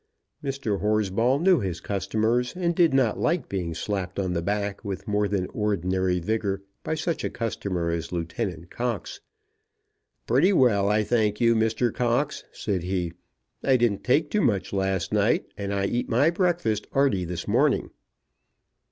Mr. Horsball knew his customers, and did not like being slapped on the back with more than ordinary vigour by such a customer as Lieutenant Cox. "Pretty well, I thank you, Mr. Cox," said he. "I didn't take too much last night, and I eat my breakfast 'earty this morning."